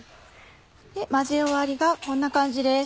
混ぜ終わりがこんな感じです。